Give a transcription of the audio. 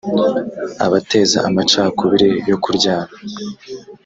abateza amacakubiri yo kuryana